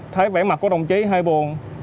thấy vẻ mặt của đồng chí hơi buồn